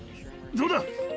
どうだ？